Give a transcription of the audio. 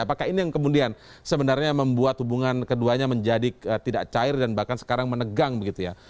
apakah ini yang kemudian sebenarnya membuat hubungan keduanya menjadi tidak cair dan bahkan sekarang menegang begitu ya